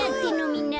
みんな。